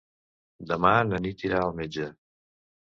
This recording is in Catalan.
Demà na Nit irà al metge.